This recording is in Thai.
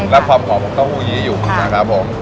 และความหอมของเต้าหูยี้อยู่นะครับผม